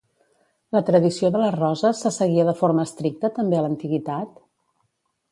La tradició de les roses se seguia de forma estricta també a l'antiguitat?